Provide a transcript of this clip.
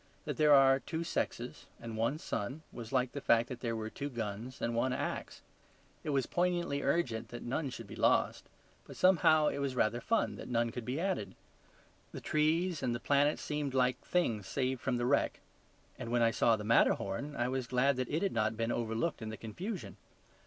That there are two sexes and one sun, was like the fact that there were two guns and one axe. It was poignantly urgent that none should be lost; but somehow, it was rather fun that none could be added. The trees and the planets seemed like things saved from the wreck: and when I saw the Matterhorn I was glad that it had not been overlooked in the confusion.